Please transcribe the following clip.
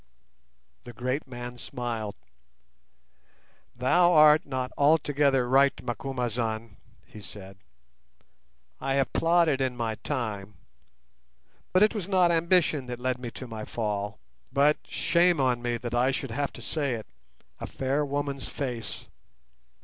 The great man smiled. "Thou art not altogether right, Macumazahn," he said; "I have plotted in my time, but it was not ambition that led me to my fall; but, shame on me that I should have to say it, a fair woman's face.